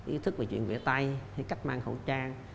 ý thức về chuyện vẽ tay cách mang khẩu trang